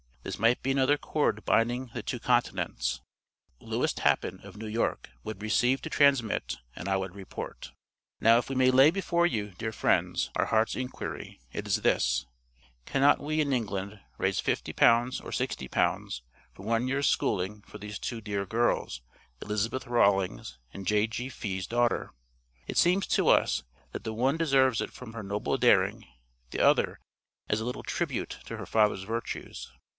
This might be another cord binding the two continents. Lewis Tappan, of New York, would receive to transmit, and I would report." Now if we may lay before you, dear friends, our hearts' inquiry, it is this: "Cannot we in England, raise £50 or £60 for one year's schooling for these two dear girls, Elizabeth Rawlings and J.G. Fee's daughter?" It seems to us, that the one deserves it from her noble daring, the other as a little tribute to her father's virtues.